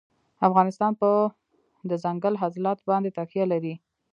افغانستان په دځنګل حاصلات باندې تکیه لري.